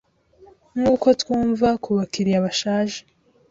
Nkuko twunva kubakiriya bashaje